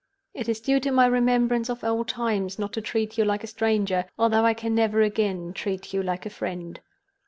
It is due to my remembrance of old times not to treat you like a stranger, although I can never again treat you like a friend.